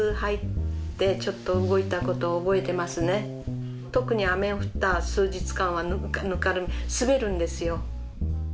道路は特に雨降った数日間はぬかるみ滑るんですよ